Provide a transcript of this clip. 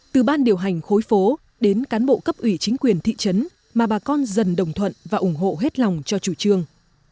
từ ban điều hành khối phố đến cán bộ cấp ủy chính quyền thị trấn mà bà con dần đồng thuận và ủng hộ hết lòng cho chủ trương